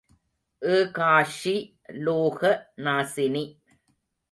ஏகாக்ஷி லோக நாசினி.